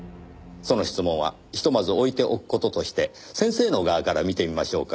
その質問はひとまず置いておく事として先生の側から見てみましょうか。